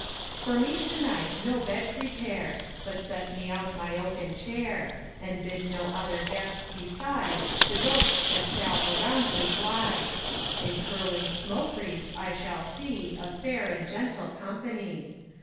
For me to night no bed prepare, But set me out my oaken chair. And bid no other guests beside The ghosts that shall around me glide; In curling smoke wreaths I shall see A fair and gentle company.